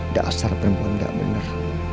dasar perempuan gak bener